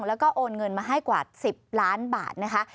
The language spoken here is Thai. แล้วก็โอนเงินมาให้กว่า๑๐ล้านบาทนะคะ